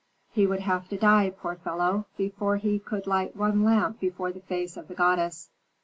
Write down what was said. "He would have to die, poor fellow, before he could light one lamp before the face of the goddess."